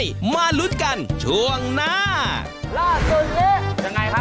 ส้มเขียวหวานจะราคาถูกที่สุดหรือเปล่า